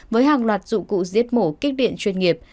với hàng loạt dụng cụ giết mổ kích điện chuyên nghiệp